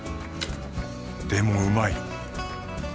でもうまい。